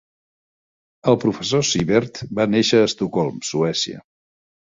El professor Sievert va néixer a Estocolm, Suècia.